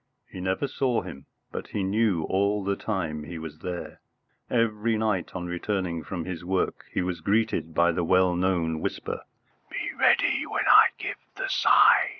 He never saw him, but he knew all the time he was there. Every night on returning from his work he was greeted by the well known whisper, "Be ready when I give the sign!"